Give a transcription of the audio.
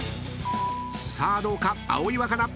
［さあどうか？